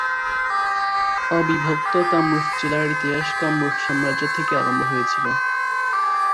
অবিভক্ত কামরূপ জেলার ইতিহাস কামরূপ সাম্রাজ্যের থেকে আরম্ভ হয়েছিল।